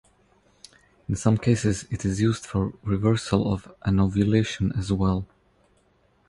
In some cases, it is used for reversal of anovulation as well.